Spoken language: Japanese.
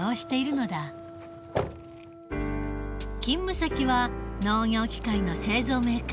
勤務先は農業機械の製造メーカー。